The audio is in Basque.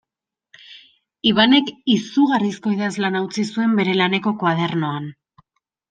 Ibanek izugarrizko idazlana utzi zuen bere laneko koadernoan.